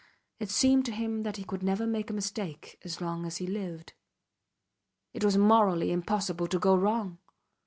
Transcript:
It seemed to him that he could never make a mistake as long as he lived. It was morally impossible to go wrong.